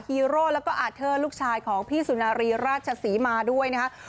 ฮีโร่แล้วก็อาเทอร์ลูกชายของพี่สุนารีราชศรีมาด้วยนะครับ